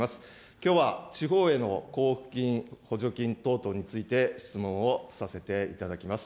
きょうは、地方への交付金、補助金等々について、質問をさせていただきます。